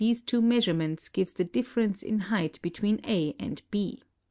e two measurements gives the ditVerence in height between A and B.